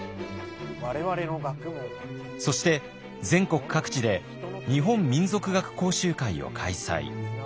そして全国各地で日本民俗学講習会を開催。